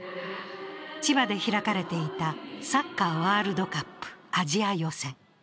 千葉で開かれていたサッカーワールドカップ、アジア予選。